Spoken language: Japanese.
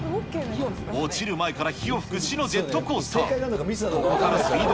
落ちる前から火を噴く死のジェットコースター。